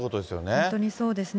本当にそうですね。